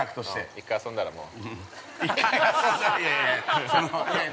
◆一回遊んだらもう。